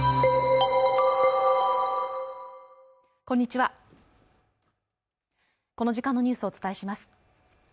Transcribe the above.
こんにちはこの時間のニュースをお伝えします